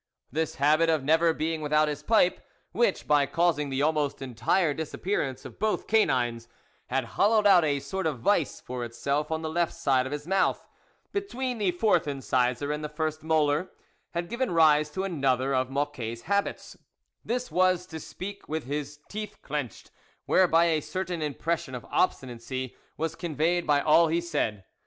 This habit of never being without his pipe, which, by causing the almost entire disappearance of both canines, had hollow ed out a sort of vice for itself on the left side of his mouth, between the fourth incisor and the first molar, had given rise to another of Mocquet's habits ; this \jfas to speak with his teeth clenched, whereby a certain impression of obstinacy was con veyed by all he said.